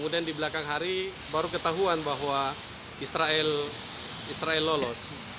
di belakang hari baru ketahuan bahwa israel lolos